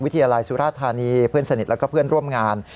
วิทยาลัยสุราธานีเพื่อนสนิทแล้วก็เพื่อนร่วมงาน